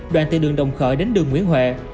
đoạn từ đường đồng khởi đến đường nguyễn huệ